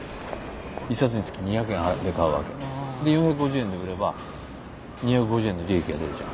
１冊につき２００円払って買うわけ。で４５０円で売れば２５０円の利益が出るじゃん。